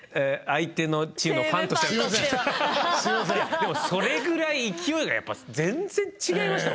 でもそれぐらい勢いがやっぱ全然違いましたよ。